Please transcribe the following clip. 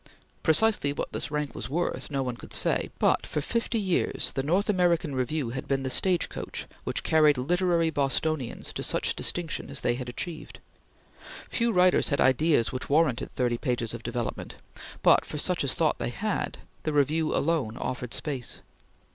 Precisely what this rank was worth, no one could say; but, for fifty years the North American Review had been the stage coach which carried literary Bostonians to such distinction as they had achieved. Few writers had ideas which warranted thirty pages of development, but for such as thought they had, the Review alone offered space.